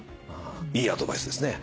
いいアドバイスですね。